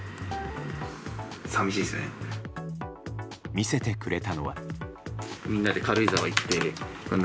見せてくれたのは。